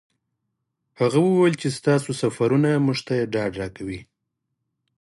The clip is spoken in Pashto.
هغه وویل چې ستاسو سفرونه موږ ته ډاډ راکوي.